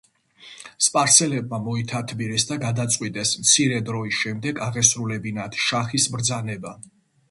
სპარსელებმა მოითათბირეს და გადაწყვიტეს, მცირე დროის შემდეგ აღესრულებინათ შაჰის ბრძანება.